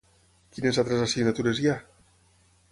Quines altres assignatures hi ha?